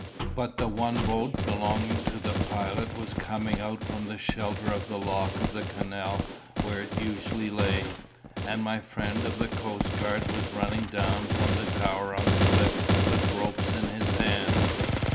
But the one boat belonging to the pilot was coming out from the shelter of the lock of the canal where it usually lay, and my friend of the coastguard was running down from the tower on the cliff with ropes in his hand.